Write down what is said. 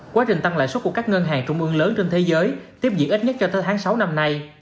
quá trình tăng lãi suất của các ngân hàng trung ương lớn trên thế giới tiếp diễn ít nhất cho tới tháng sáu năm nay